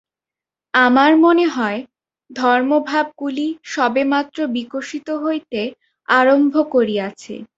আমার মনে হয়, ধর্মভাবগুলি সবেমাত্র বিকশিত হইতে আরম্ভ করিয়াছে।